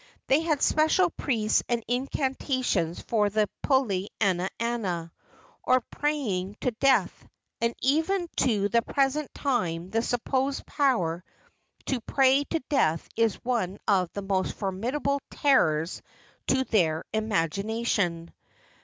They had special priests and incantations for the pule ana ana, or praying to death, and even tQ the present time the supposed power to pray to death is one of the most formidable terrors to their imagination.